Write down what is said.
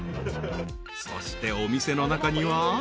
［そしてお店の中には］ああ。